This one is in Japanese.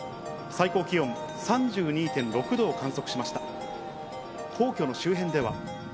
最高気温３２．６度を観測しました。